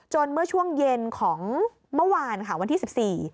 จนเมื่อช่วงเย็นของเมื่อวานค่ะวันที่๑๔